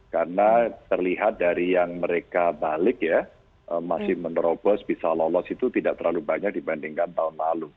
karena terlihat dari yang mereka balik ya masih menerobos bisa lolos itu tidak terlalu banyak dibandingkan tahun lalu